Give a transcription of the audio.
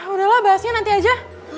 udahlah bahasnya nanti aja